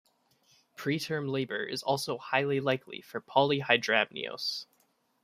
Preterm labor is also highly likely for polyhydramnios.